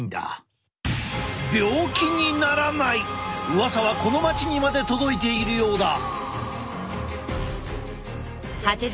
うわさはこの町にまで届いているようだ。